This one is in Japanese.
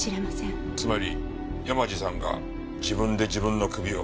つまり山路さんが自分で自分の首を。